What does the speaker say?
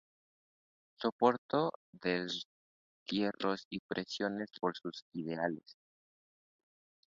Soportó destierros y prisiones por sus ideales.